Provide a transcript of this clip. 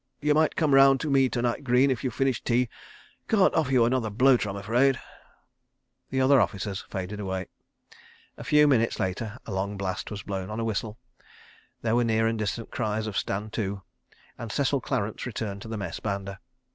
... You might come round with me to night, Greene, if you've finished tea. ... Can't offer you another bloater, I'm afraid. ..." The other officers faded away. A few minutes later a long blast was blown on a whistle, there were near and distant cries of "Stand to," and Cecil Clarence returned to the Mess banda.